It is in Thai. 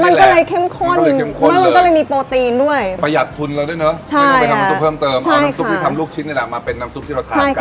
มันก็เลยเข้มข้นเลยเข้มข้นแล้วมันก็เลยมีโปรตีนด้วยประหยัดทุนเราด้วยเนอะไม่ต้องไปทำน้ำซุปเพิ่มเติมเอาน้ำซุปที่ทำลูกชิ้นนี่แหละมาเป็นน้ำซุปที่เราทานกัน